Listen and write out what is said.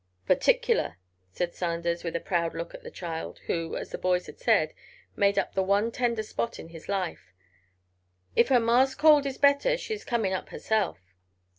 "Perticular," said Sanders, with a proud look at the child, who, as the boys had said, made up the one tender spot in his life. "If her ma's cold is better, she is coming up herself."